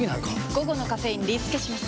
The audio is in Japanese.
午後のカフェインリスケします！